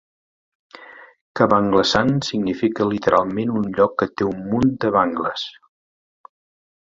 Kabanglasan significa literalment un lloc que té un munt de banglas.